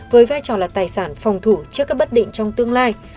với vai trò là tài sản phòng thủ trước các bất định trong tương lai